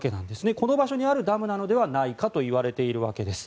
この場所にあるダムなのではないかといわれているわけです。